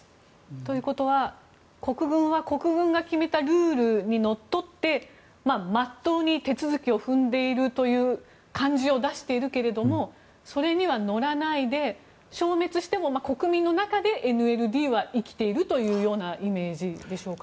ということは国軍は国軍が決めたルールにのっとってまっとうに手続きを踏んでいるという感じを出しているけれどもそれには乗らないで消滅しても国民の中でＮＬＤは生きているというようなイメージでしょうか？